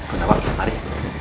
bunda wang mari